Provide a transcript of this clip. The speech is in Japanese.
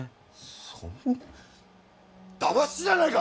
そんなだましじゃないか！